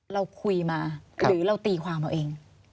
เราคุยมาหรือเราตีความเอาเอง